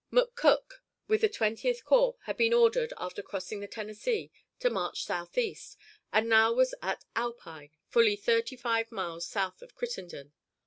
McCook, with the Twentieth Corps, had been ordered, after crossing the Tennessee, to march southeast, and now was at Alpine, fully thirty five miles south of Crittenden.